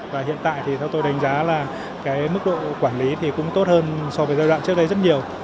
và hiện tại thì theo tôi đánh giá là cái mức độ quản lý thì cũng tốt hơn so với giai đoạn trước đây rất nhiều